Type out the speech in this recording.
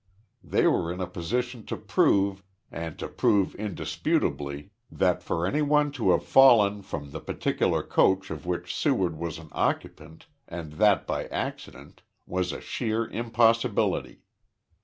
They were in a position to prove, and to prove indisputably that for any one to have fallen from the particular coach of which Seward was an occupant, and that by accident, was a sheer impossibility.